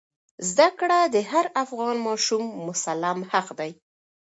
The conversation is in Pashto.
زده کړه د هر افغان ماشوم مسلم حق دی.